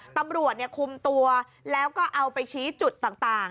ตำรวจคุมตัวแล้วก็เอาไปชี้จุดต่าง